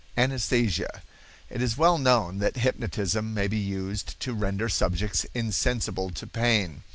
Anaesthesia—It is well known that hypnotism may be used to render subjects insensible to pain.